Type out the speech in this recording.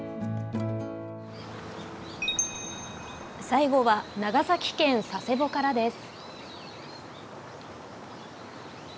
最後は、長崎県佐世保からです。